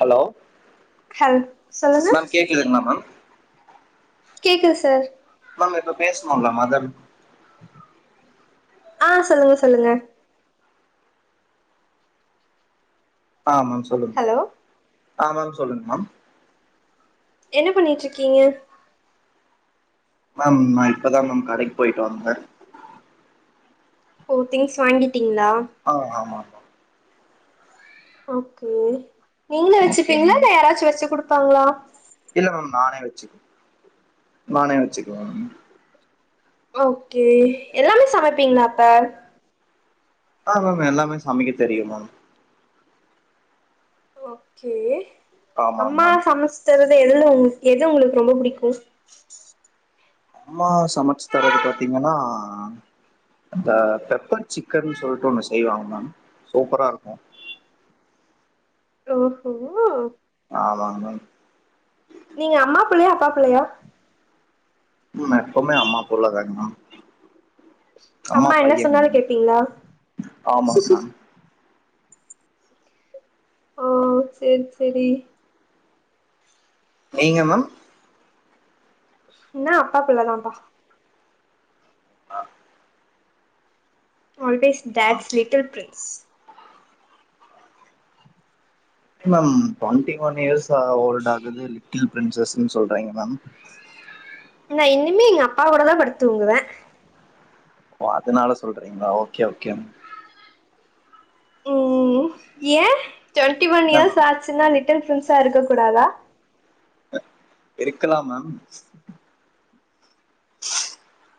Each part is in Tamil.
ஹலோ ஹல் சொல்லுங்க மேம் கேக்குதுங்ளா மேம் கேக்குது சார் மேம் இப்ப பேசுனோல்ல மதர் ஆஹ் சொல்லுங்க சொல்லுங்க ஆமேம் சொல்லுங்க ஹலோ ஆ மேம் சொல்லுங்க மேம் என்ன பண்ணிட்ருக்கீங்க மேம் நான் இப்பதா மேம் கடைக்கு போயிட்டு வந்தே ஓ திங்க்ஸ் வாங்கி ஆஹ் ஆமா மேம். ஓகே நீங்களே ஓகே வெச்சிப்பீங்ளா மேம் இல்ல யாராச்சு வச்சுகுடுப் பாங்ளா இல்ல மேம் நானே வச்சுக்கு நானே வச்சுக்குவே மே ஓகே எல்லாமே சமைப்பிங்ளா அப்ப ஆஹ் மேம் எல்லாமே சமைக்க தெரியும் மேம் ஓகே ஆமாங்க அம்மா மேம் சமச்சுதரத் எதுலவு எது உங்களுக்கு ரொம்ப புடிக்கு அம்மா சமச்சு தரது பாத்தீங்கனா அந்த பெப்பர் சிக்கன் சொல்ட்டு ஒண்ணு செய்வாங்க மேம் சூப்பரா இருக்கு ஓஹோ ஆமாங் மேம் நீங்க அம்மா புள்ளையா அப்பா புள்ளையா உம் எப்பவுமே அம்மா புள்ளதாங்க மேம் அம்மா என்ன சொன்னாலு கேப்பீங்ளா ஆமாங்க மேம் ஆஹ் சேரி செரி நீங்க மேம் நா அப்பா புள்ள தாம்ப்பா ஆஹ் [inaudible] always a dad's little prince எமம் twenty one years uh old ஆகுது லிட்டில் பிரசஸ்ன்னு சொல்றிங்க மேம் நா இன்னிமே எங்க அப்பாவோடதா படுத்து தூங்குவே ஓ அதனால சொல்றீங்களா ஓகே ஓகே உம் ஏன் டொன்டி ஒன் மேம் இயர்ஸ் ஆச்சுனா லிட் [unintelligible] பிண்ட்ஸா இருக்க கூடாதா இருக்கலாம் மேம் உ [unintelligible]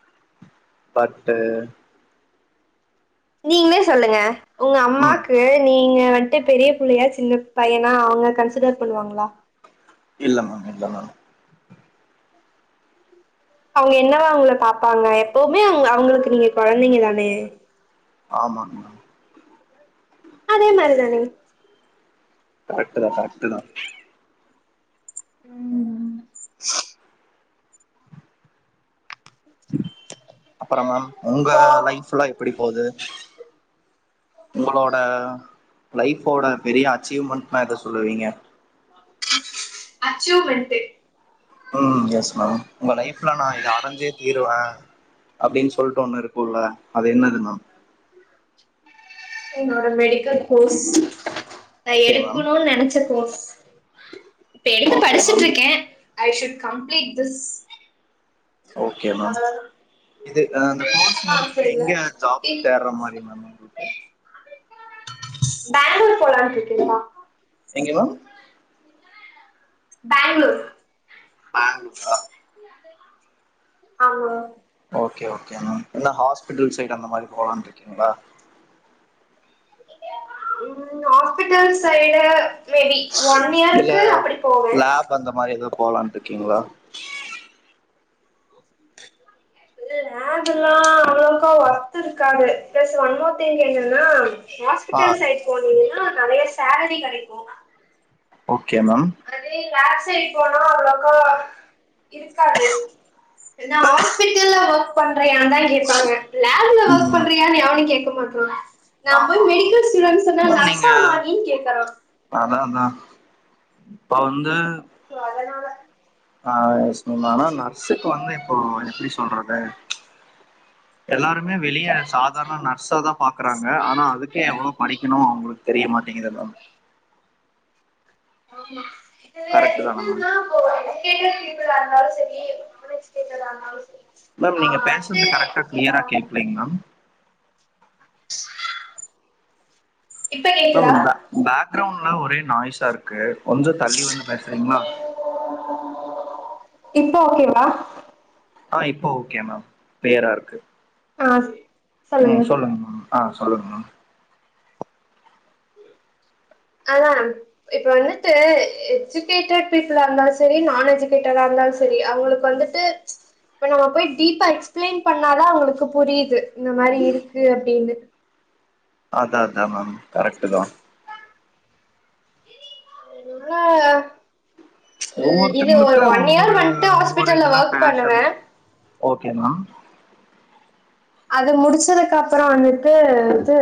பட்டு நீங்களே சொல்லுங்க உங்க ம் அம்மாக்கு நீங்க வன்ட்டு பெரிய பிள்ளையா சின்ன பையனா அவுங்க கன்சிடர் பண்ணுவாங்களா இல்ல மேம் இல்ல மேம் அவுங்க என்னவா உங்கள பாப்பாங்க எப்பவுமே அவுங்க அவுங்களுக்கு நீங்க கொழந்தைங்க தானே ஆமாங் மேம் அதே மாரி தானே கரெக்ட் தான் கரெக்ட் தான் அப்புற மேம் உங்க சோ லைஃப்ல்லாம் எப்டி போகுது உங்களோட லைஃபோட பெரிய அச்சீவ்மண்ட்னா எத சொல்லுவீங்க அச்சோ வன்ட்டு உம் எஸ் மேம் உங்க லைஃப்ல நான் இத அடஞ்சே தீருவேன் அப்டின்னு சொல்ட்டு ஒன்னு இருக் குள்ள அது என்னது மேம் என்னோட மெடிக்கல் கோர்ஸ் நா ஓகே மேம் எடுக்கணுனு நெனைச்ச கோர்ஸ் இப்ப எடுத்து ஓகே மேம் படுச்சுட்டிருக்கேன் I should complete this okay ma'am அவ்ளோதா இது ஆஹ் இந்த கோர்ஸ் பெருசாலா ஆச முடிச்சுட்டு இல்ல எங்க ஜாப் தேட்ற மாரி மேம் உங்களுக்கு பேங்களூர் போலான்னுட்டு இருக்கீங்ளா எங்க மேம் பேங்ளூர் பேங்ளூரா ஆமா ஓகே ஓகே மேம் என்ன ஹாஸ்பிட்டல் சைட் அந்த மாரி போலானு இருக்கீங்களா உம் ஹாஸ்பிட்டல் சைடு மேபி ஒன் இயருக்கு அப்டி போவே போலான்ட்டு இருக்கீங்ளா இல்ல இல்ல நார்மலா அவ்ளவுக்கா ஒர்த்து இருக்காது பிளஸ் ஒண் மோர் திங் என்னன்னா ஆ ஹாஸ்பிட்டல் சைடு் போனீங்கன்னா நெறைய சேலரி கெடைக்கு ஒ [unintelligible] சே போனா அவ்ளோக்கா இருக்காது ஏனா ஹாஸ்பிட்டல்ல ஒர்க் பண் எல்லா யா தா கேப்பாங்க லேப்ல ஒர்க் ம் பண்றியானு எவனு கேக் [unintelligible] நா ஆமா போய் மெடிக்கல் ஸ்டூடன்ஸுனா மேம் நீங்க நர்சாமா நீ கேக்கறா இப்ப வந்து சொன்னா நர்ஸுக்கு வந்து இப்போ எப்படி சொல்றது எல்லாருமே வெளியே சாதாரண நர்ஸா தான் பாக்குறாங்க ஆனா அதுக்கே எவ்வளவு படிக்கணும் அவங்களுக்கு தெரிய மாட்டேங்குது எல்லா ஆமா இது கரெக்ட் தானே மேம் என்னனா [unintelligible] எஜுகேட்டட் பீபுலா இருந்தாலு செரி நான் எஜுகேட்டட்டா இருந்தாலு செரி மேம் நீங்க பேசறது கரெக்டா கிளியரா அன்எஜுகேட்டடா இருந்தாலு சரி ஆ கேக்லீங் மேம் வந்து இப்ப மேம் கேக்குதா பே பேக்ரௌண்ட் ஒரே நாய்ஸா இருக்கு கொஞ்சோ தள்ளி வந்து பேசுறீங்களா இப்போ ஓகே வா ஆ இப்போ ஓகே மேம் கிளியரா இருக்கு ஆ ம் சொல்லுங்க மா ஆ சொல்லுங்க மேம் அதா இப்ப வந்துட்டு எஜுகேட்டட் பீப்புளா இருந்தாலு செரி நான் எஜுகேட்டடா இருந்தாலு செரி அவுங்களுக்கு வந்துட்டு இப்ப நம்ம போய் டீப்பா எக்ஸ்பிளைன் பண்ணாதா அவுங்களுக்கு புரியுது இந்த மாரி இருக்கு அப்டின்னு அதா அதா மேம் கரெட்டு தா ங்கள இது இது ஒரு ஒவ்வொருத்தங்களுக்கு ஒன் இயர் ஒவ்வொரு வந்ட்டு ஹாஸ்பிட்டல்ல ஒர்க் பண்ணுவே ஓகேமா அது முடிச்சதுக்கு அப்புறோ வந்துட்டு வந்து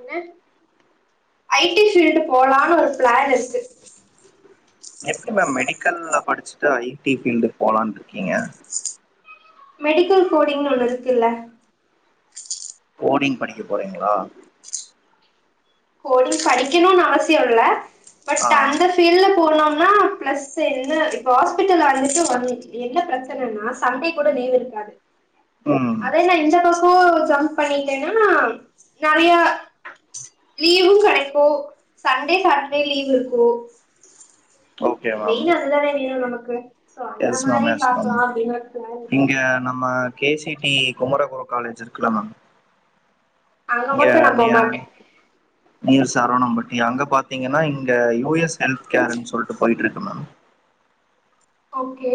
இது ஐடி ஃபீல்டு போலான்னு ஒரு பிளான் இருக்கு எப்டி மேம் மெடிக்கல்ல படிச்சுட்டு ஐடி ஃபீல்டு போலான் இருக்கீங்க மெடிக்கல் கோடிங்ன்னு ஒண்ணு இருக்கு இல்ல கோடிங் படிக்க போறீங்களா கோடிங் படிக்கணுனு அவசிய இல்ல ஆ பட் அந்த ஃபீல்ல போனா ஆனா பிளஸ் என்ன இப்ப ஹாஸ்பிட்டல் வந்துட்டு என்ன பிரச்சனன்னா சண்டே கூட லீவு இருக்காது ம் அதெல்லா இந்த தோச போ ஜம்ப் பண்ணிட்டேனா நெறைய லீவு கெடைக்கு சண்டே சாட்டர்டே லீவ் இருக்கு ஓகே மேம் மெயின் அது தானே வேணு நமக் கு yes ma'am yes ma'am plan இங்க நம் கேசிடி குமரகுர காலேஜ் இருக்கல ஆ அங்க மட்டு நா போமாட்ட நீயர் சரவணம்பட்டி அங்க பாத்தீங்கன்னா ங்க யூ எஸ் ஹெல்த் கேர் சொல்லிட்டு போயிட்டு இருக்கு [inaudible] ஓகே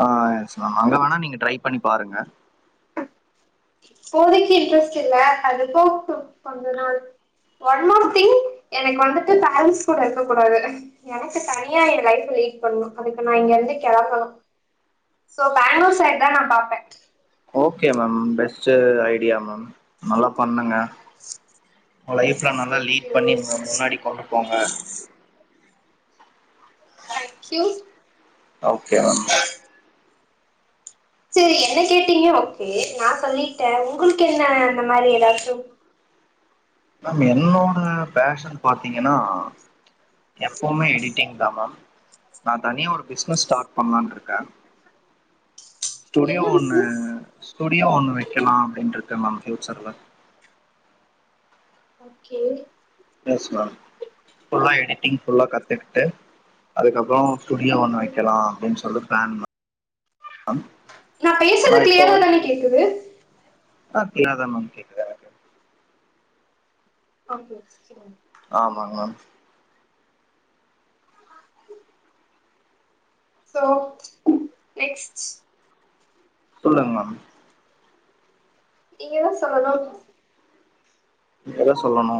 ஆஹ் அங்க வேணா நீங்க ட்ரை பண்ணி பாருங்க ப்போதைக்கு இன்ட்ரெஸ்ட் இல்ல அது போ கொஞ்சோ நாள் ஒன்மோர் திங் எனக்கு வந்துட்டு பேரன்ஸ் கூட இருக்கக் கூடாது எனக்கு தனியா என் லைஃபை லீட் பண்ணணு அதுக்கு நா இங்க இருந்து கிளம்பணு சோ பேங்களூர் சைட் தா நா பார்ப்பே okay ma'am best idea ma'am நல்லா பண்ணுங்க லைஃப்ல நல்லா லீட் தேங்க்யூ பண்ணிங்க முன்னாடி கொண்டு போங்க தேங்க்யூ ஓகே மேம் சரி என்ன கேட்டீங்க ஓகே நா சொல்லிட்ட உங்களுக்கு என்ன அந்த மாதிரி ஏதாச்சு மம் என்னோட பேஷன் பாத்தீங்கன்னா எப்பவுமே எடிட்டிங் தா மம் நா தனியா ஒரு பிசினஸ் ஸ்டார்ட் பண்ணலான் இருக்க ஸ்டுடியோ என்ன ஒண்ணு பிசினஸ் ஸ்டுடியோ ஒண்ணு வைக்கலா அப்படின்னுருக்க மேம் பியூச்சர்ல ஓகே எஸ் மேம் ஃபுல்லா எடிட்டிங் புல்லா கத்துக்குட்டு அதுக்கப்ரோ ஸுடியோ ஒன்னு வைக்கலா அப்படின்னு சொல் [unintelligible] நான் பேசறது கிளியரா தானே கேக்குது ஆஹ க்ளாதா மேம் கேக்குது எனக்குன [unintelligible] ஆமாங் மேம் சோ நெக்ஸ்ட் சொல்லுங்க மேம் நீங்க தா சொல்லனு நீங்கதா சொல்லணு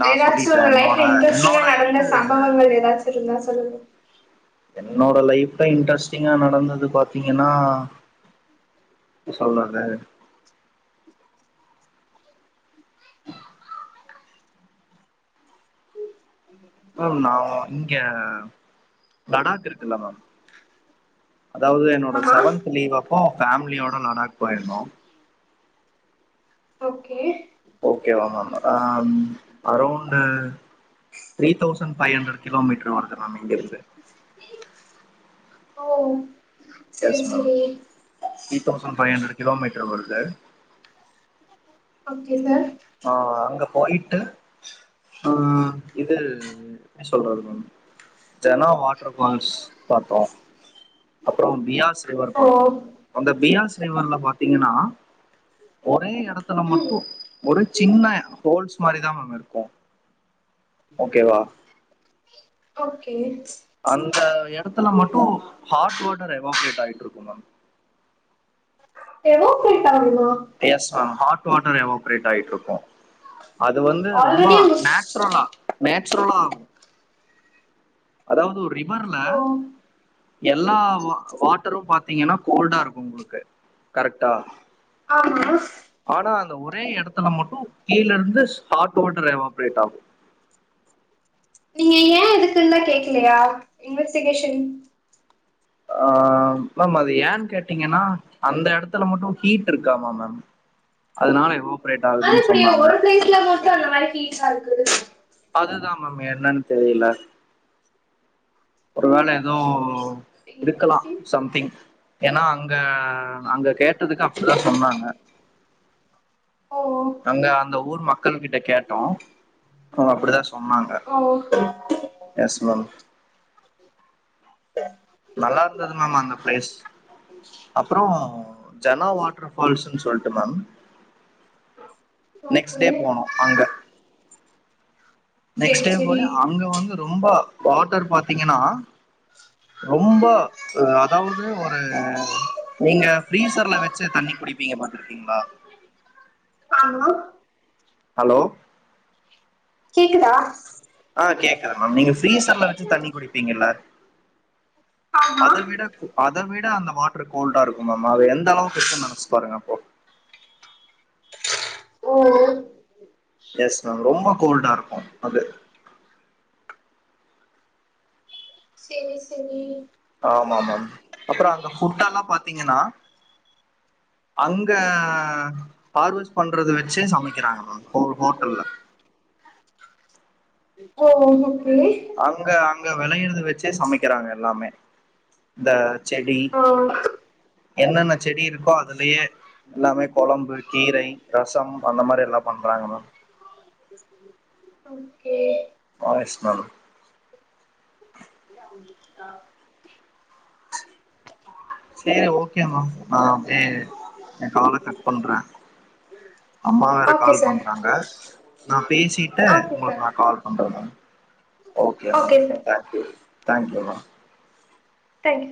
நா ஏதாச்சு சொல்லிட்டே உங்க என்னோட லைஃப்ல இன்ட்ரெஸ்டிங்கா என்னோட நடந்த இது சம்பவங்கள் ஏதாச்சு இருந்தா சொல்லுங்க என்னோட லைஃப்ல இன்ட்ரெஸ்ட்டிங்கா நடந்தது பாத்தீங்கன்னா சொல்றரது மேம் நா இங்க லடாக் இருக்குல்ல மேம் அதாவது என்னோட ஆமா செவன்த் லீவ் அப்போ ஃபேமிலியோட லடாக் போயிருந்தோம் okay around three thousand five hundred kilometre வருது நமிங்க இருது ஓ சரி மேம் சரி three thousand five hundred kilometre வருது ஓகே சார் அங்க போயிட்டு ஆஹ் இது சொல்றாரு மேம் ஜனா வாட்டர் ஃபால்ஸ் பாத்தோம் அப்றோம் பியாஸ் ரிவர்ர ஓ பாத்தோம் அந்த பியாஸ் ரிவர்ல பாத்தீங்கன்னா ஒரே எடத்துல ம் மட்டு சின்ன ஹோல்ஸ் மாதிரிதா மேம் இருக்கும் ஓகே வா ஓகே அந்த எடத்துல மட்டும் ஹாட் வாட் டர் எவாப்ரேட் ஆயிட்ருக்கும் மேம் எவாப்ரேட் ஆகுமா அஹ் எவோபரேட் ஆயிட்டுருக்கும் அது வந்து ரொம்ப ஆல்ரெடி அங்க நேச்சுரலா நேச் சுரலாம் அதாவது ஒரு ரி ரிவர்ல ஓ எல்லா வ வாட்டரும் பாத்தீங்கனா கோல்டா இருக்கு உங்களுக்கு கரக்டா ஆமா ஒரே எடத்துல மட்டும் கீல இருந்து ஹாட் வாட்டர் எவாப்ரேட் ஆகும் நீங்க ஏ அதுக்குல்லா கேக்கலையா இன்வெஸ்டிகேஷன் ஆஹ் மேம் அது ஏன் கேட்டீங்கனா அந்த எடத்துல மட்டும் ஹீட் இருக்காமா மேம் அதனால எவ் அது எப்டி ஒரு பிளேஸ்ல மட்டு அந்த மாரி கீஸ் ஆகுது அதுதா மேம் என்னனு தெரில ஒரு வேள ஏதோ ஓ சம்திங் இர்க்கலா இன்ட்ரெஸ்டிங் சம்திங் ஏனா அங் ங்க அங்க கேட்டதுக்கு அப்டிதா சொன்னாங்க ஓ அங்க அந்த ஊ ஊர் மக்கள் கிட்ட கேட்டோ அ அப்டிதா சொ சொன்னாங்க ஓ எஸ் மம் நல்லாருந்துது மேம் அந்த ப்ளேஸ் அப்புற ஜல வா ட்ரு ஃபால்ஸுன் சொல்ட்டு மேம் ஓகே நெக்ஸ்டே போனோ அங்க நெக்ஸ்ட் சேரி டே போய் சேரி அங்க வந்து ரொம்ப வாட்டர் பாத்திங்கனா ரொம்ப அதாவுது ஒரு நீங்க ஃப்ரீசர்ல வெச்சு தண்ணி குடிப்பிங்க பாத்துருக்கிங்ளா ஆமா ஹலோ கேக்குதா ஆ கேக்குது மேம் நீங்க ஃப்ரீசர்ல வெச்சு தண்ணி குடிப்பிங்கல்ல ஆமா அத விட அத விட அந்த வாட்டர் கோல்டா இருக்கு மேம் அது எந்த அளவுக்கு இருக்குன் நெனச்சு பாருங்க அப்போ ஓ ஓ எஸ் மேம் ரொம்ப கோல்டா இருக்கு அது சேர் செரி ஆமாமாங் அப்புற அங்க ஃபுட் எல்லா பாத்திங்கனா அங்க ஹார்வெஸ்ட் பண்றத வெச்சே சமைக்கிறாங்களா ஒரு ஹோட்டல்ல ஓ ஹோ ஓ அங்க அ அங்க வெளையறத வெச்சே சமைக்கிறாங்க எல்லாமே இந்த செடி ஆ என்னன்ன செடி இருக்கோ அதுலயே எல்லாமே கொழம்பு கீரை ரசம் அந்த மாரி எல்லா பண்றாங்க மேம் ஓகே வாஷ்னல் சேரி ஓகே மம் நா வே எ கால கட் பண்ற அம்மா வேற ஓகே கால் சார் பண்றாங்க நா பேசிட்டு ஓகே உங்கள்க்கு சார் நா கால் பண்ற மேம் ஓகே மேம் தேங்க்யூ தேங்க்யூமா தேங்க்யூ